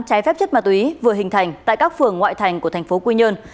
trái phép chất ma túy vừa hình thành tại các phường ngoại thành của thành phố quy nhơn